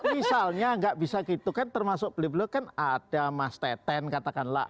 misalnya nggak bisa gitu kan termasuk beliau beliau kan ada mas teten katakanlah